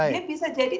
dia bisa jadi